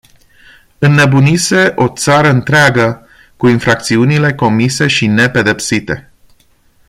Înnebunise o țară întreagă cu infracțiunile comise și nepedepsite.